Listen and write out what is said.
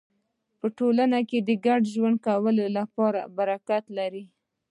په ټولنه کې ګډ ژوند کول برکت لري.